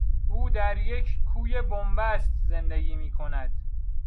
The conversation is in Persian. او در یک کوی بنبست زندگی میکند.